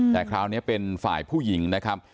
แต่คราวนี้เป็นฝ่ายผู้หญิงนะครับ